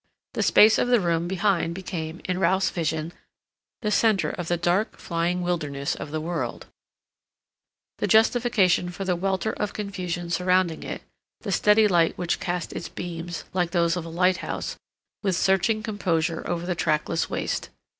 The space of the room behind became, in Ralph's vision, the center of the dark, flying wilderness of the world; the justification for the welter of confusion surrounding it; the steady light which cast its beams, like those of a lighthouse, with searching composure over the trackless waste.